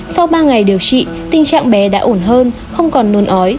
sau ba ngày điều trị tình trạng bé đã ổn hơn không còn nôn ói